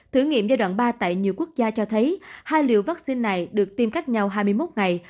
thử nghiệm giai đoạn ba tại nhiều quốc gia cho thấy hai liệu vắc xin này được tiêm cách nhau hai mươi một ngày